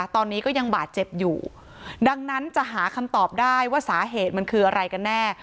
ตอนนี้ก็ยังบาดเจ็บอยู่ดังนั้นจะหาคำตอบได้ว่าสาเหตุมันคืออะไรกันแน่